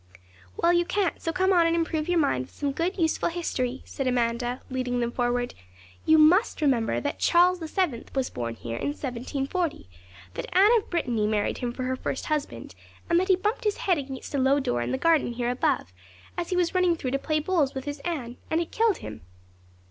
'Well, you can't, so come on and improve your mind with some good, useful history,' said Amanda, leading them forward. 'You must remember that Charles VII. was born here in 1470 that Anne of Brittany married him for her first husband, and that he bumped his head against a low door in the garden here above, as he was running through to play bowls with his Anne, and it killed him.'